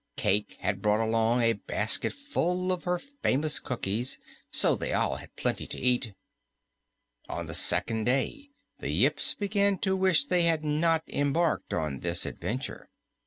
Cayke had brought along a basket full of her famous cookies, so they all had plenty to eat. On the second day the Yips began to wish they had not embarked on this adventure.